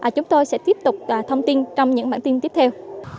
chúng tôi sẽ tiếp tục thông tin trong những bản tin tiếp theo